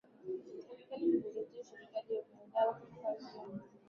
Serikali ilizingatia ushirikishaji wa wadau wanaoathirika na mabadiliko